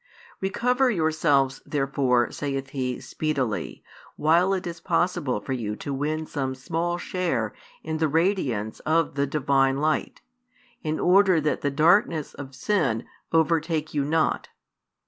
Recover yourselves therefore (saith He) speedily, while it is possible for you to win some small share in the radiance of the Divine Light, in order that the darkness of sin overtake you not.